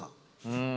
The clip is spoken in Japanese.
うん。